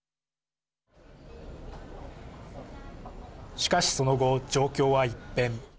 しかし、その後、状況は一変。